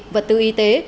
vật tư y tế